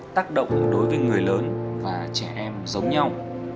tác động đối với người lớn và trẻ em giống nhau